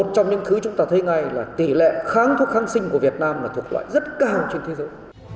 thứ chúng ta thấy ngay là tỷ lệ kháng thuốc kháng sinh của việt nam là thuộc loại rất cao trên thế giới